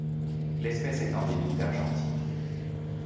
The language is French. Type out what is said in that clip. L'espèce est endémique d'Argentine.